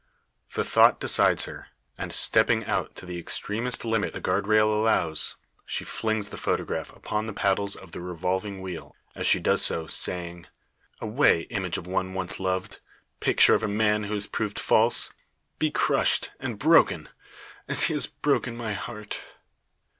The thought decides her; and, stepping out to the extremest limit the guard rail allows, she flings the photograph upon the paddles of the revolving wheel, as she does so, saying "Away, image of one once loved picture of a man who has proved false! Be crushed, and broken, as he has broken my heart!"